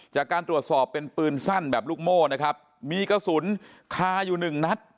จากการตรวจสอบเป็นปืนสั้นแบบลูกโม่นะครับมีกระสุนคาอยู่หนึ่งนัด